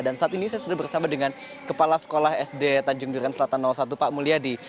dan saat ini saya sudah bersama dengan kepala sekolah sd tanjung duren selatan satu pak mulyadi